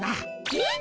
えっ？